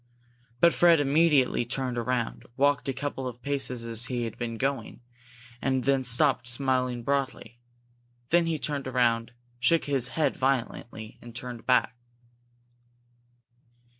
But Fred immediately turned around, walked a couple of paces as he had been going, and then stopped, smiling broadly. Then he turned around, shook his head violently, and turned back.